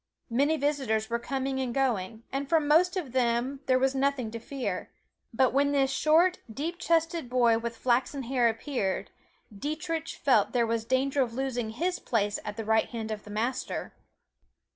Many visitors were coming and going, and from most of them there was nothing to fear, but when this short, deep chested boy with flaxen hair appeared, Dietrich felt there was danger of losing his place at the right hand of the Master.